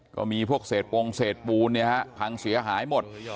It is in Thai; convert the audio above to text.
ก็มีพวกเศษปรงเศษปูนเนี่ยฮะพังเสียหายหมด